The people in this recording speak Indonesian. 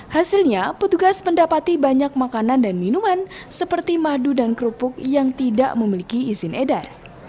hasilnya petugas mendapati banyak makanan dan minuman seperti madu dan kerupuk yang tidak memiliki izin edar